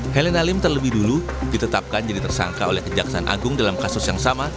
helena lim terlebih dulu ditetapkan jadi tersangka oleh kejagung dalam kasus yang sama